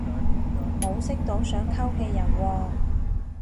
冇識到想溝嘅人喎